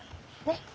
ねっ。